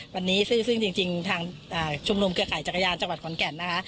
วันนี้ซึ่งจริงทางชุมนุมเครือข่ายจักรยานจังหวัดขอนแก่นนะคะ